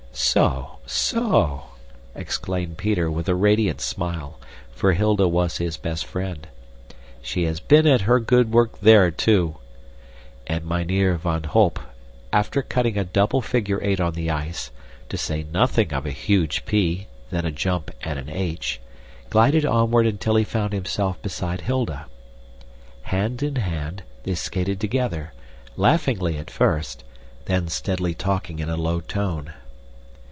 "So! so!" exclaimed Peter with a radiant smile, for Hilda was his best friend. "She has been at her good work there too!" And Mynheer van Holp, after cutting a double figure eight on the ice, to say nothing of a huge P, then a jump and an H, glided onward until he found himself beside Hilda. Hand in hand, they skated together, laughingly at first, then staidly talking in a low tone.